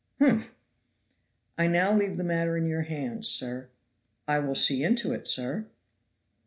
"Humph!" "I now leave the matter in your hands, sir." "I will see into it, sir."